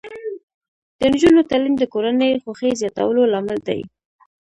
د نجونو تعلیم د کورنۍ خوښۍ زیاتولو لامل دی.